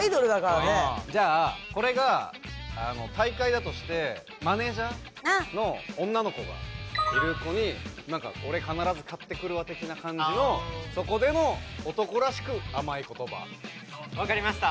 じゃあこれが大会だとしてマネージャーの女の子がいる子に俺必ず勝ってくるわ的な感じのそこでの男らしく甘い言葉分かりました